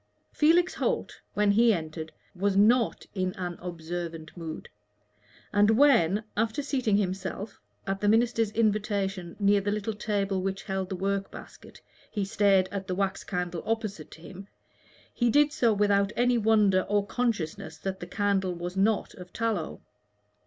Felix Holt, when he entered, was not in an observant mood; and when, after seating himself, at the minister's invitation, near the little table which held the work basket, he stared at the wax candle opposite to him, he did so without any wonder or consciousness that the candle was not of tallow.